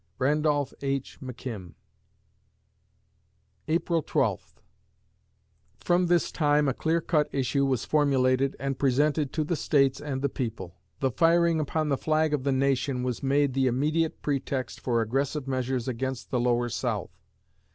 RANDOLPH H. MCKIM April Twelfth From this time a clear cut issue was formulated and presented to the States and the people. The "firing upon the flag of the nation" was made the immediate pretext for aggressive measures against the Lower South.